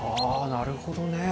ああなるほどね。